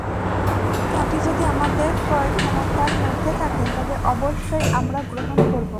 এটি যদি আমাদের ক্রয়ক্ষমতার মধ্যে থাকে, তবে অবশ্যই আমরা গ্রহণ করব।